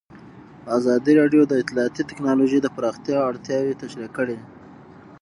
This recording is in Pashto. ازادي راډیو د اطلاعاتی تکنالوژي د پراختیا اړتیاوې تشریح کړي.